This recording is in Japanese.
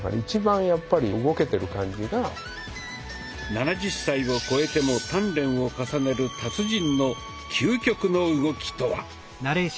７０歳を超えても鍛錬を重ねる達人の究極の動きとは？